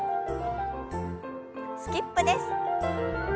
スキップです。